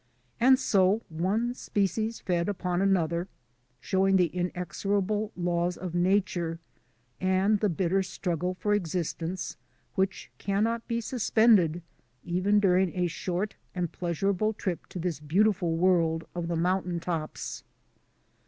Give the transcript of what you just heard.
And so one species fed upon another, showing the inexorable laws of Nature and the bitter struggle for existence which cannot be suspended even dur ing a short and pleasurable trip to this beautiful world of the mountain tops.